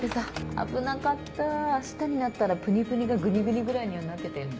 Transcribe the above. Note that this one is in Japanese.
危なかった明日になったらプニプニがグニグニぐらいにはなってたよね。